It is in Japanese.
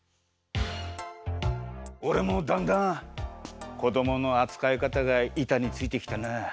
おれもだんだんこどものあつかいかたがいたについてきたな。